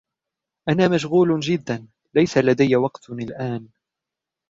أنا مشغول جدا. ليس لدي وقت الآن.